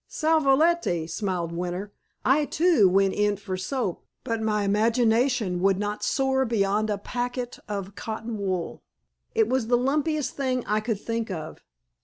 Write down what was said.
"Sal volatile!" smiled Winter. "I, too, went in for soap, but my imagination would not soar beyond a packet of cotton wool. It was the lumpiest thing I could think of."